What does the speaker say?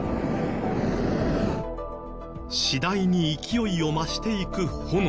次第に勢いを増していく炎。